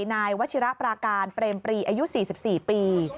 นายวัชิระปราการเปรมปรีอายุ๔๔ปี